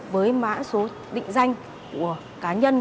với mã số định danh của cá nhân